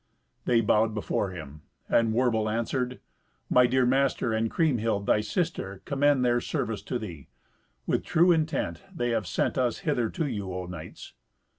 They bowed before him, and Werbel answered, "My dear master, and Kriemhild thy sister, commend their service to thee. With true intent they have sent us hither to you, O knights."